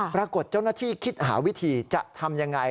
ปรากฏเจ้าหน้าที่คิดหาวิธีจะทำยังไง